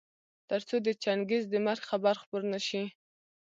تر څو د چنګېز د مرګ خبر خپور نه شي.